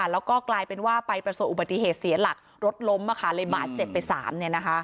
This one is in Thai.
แล้วก็กลายเป็นว่าไปประสบอุบัติเหตุเสียหลักรถล้มเลยบาดเจ็บไป๓